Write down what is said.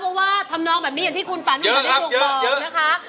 เพราะว่าทำนองแบบนี้อย่างที่คุณปานุสได้ส่งบอกนะคะ